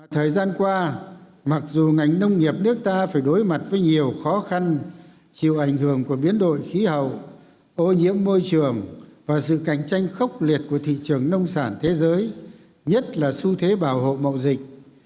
thời gian qua mặc dù ngành nông nghiệp nước ta phải đối mặt với nhiều khó khăn chịu ảnh hưởng của biến đổi khí hậu ô nhiễm môi trường và sự cạnh tranh khốc liệt của thị trường nông sản thế giới nhất là xu thế bảo hộ mậu dịch